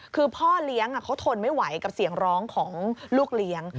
คือพ่อเลี้ยงเขาทนไม่ไหวกับเสียงร้องของลูกเลี้ยง